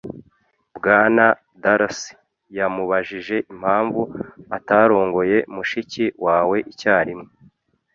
Bwana Darcy yamubajije impamvu atarongoye mushiki wawe icyarimwe.